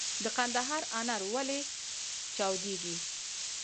د کندهار انار ولې چاودیږي؟